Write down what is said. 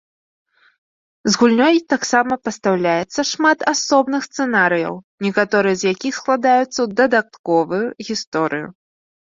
З гульнёй таксама пастаўляецца шмат асобных сцэнарыяў, некаторыя з якіх складаюцца ў дадатковую гісторыю.